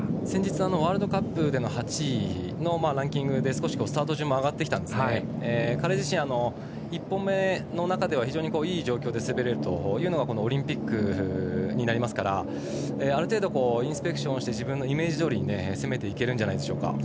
先日、ワールドカップでの８位のランキングで少しスタート順も上がってきたんですが、彼自身１本目の中では非常にいい状況で滑れるというのがオリンピックになりますからある程度、インスペクションして自分のイメージどおり攻めていけるんじゃないでしょうか。